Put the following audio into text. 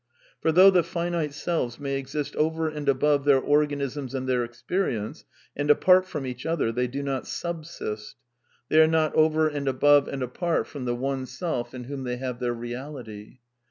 For though the finite selves may exist over and above their organisms and their experience, and apart from each other, they do not subsist ; they are not over and above and apart from the one Self in whom they have their reality.